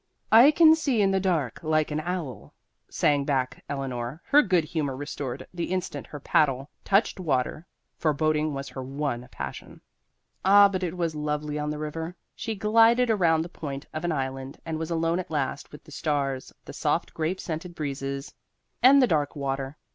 "I can see in the dark like an owl," sang back Eleanor, her good humor restored the instant her paddle touched water, for boating was her one passion. Ah, but it was lovely on the river! She glided around the point of an island and was alone at last, with the stars, the soft, grape scented breezes, and the dark water.